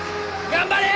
頑張れ！